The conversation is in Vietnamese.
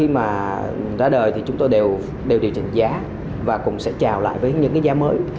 mà ra đời thì chúng tôi đều điều chỉnh giá và cũng sẽ chào lại với những giá mới